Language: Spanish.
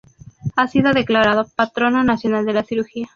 Ha sido declarado Patrono Nacional de la Cirugía.